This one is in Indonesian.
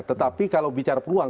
tetapi kalau bicara peluang